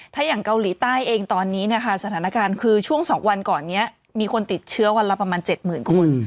ถ้าอย่างเกาหลีใต้เองตอนนี้นะคะสถานการณ์คือช่วง๒วันก่อนนี้มีคนติดเชื้อวันละประมาณ๗๐๐คน